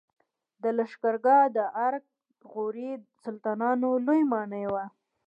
د لښکرګاه د ارک د غوري سلطانانو لوی ماڼۍ وه